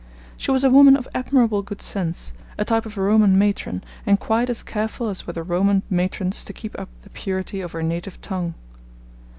She was a woman of admirable good sense, a type of Roman matron, and quite as careful as were the Roman matrons to keep up the purity of her native tongue.